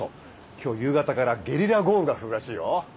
今日夕方からゲリラ豪雨が降るらしいよ。